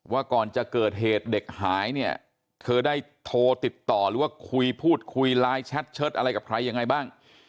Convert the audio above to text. ว่าก่อนจะเกิดเหตุเด็กหายเนี่ยเธอได้โทรติดต่อหรือว่าคุยพูดคุยไลน์แชทเชิดอะไรกับใครยังไงบ้าง